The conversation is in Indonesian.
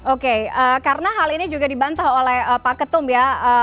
oke karena hal ini juga dibantah oleh pak ketum ya